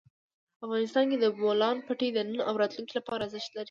افغانستان کې د بولان پټي د نن او راتلونکي لپاره ارزښت لري.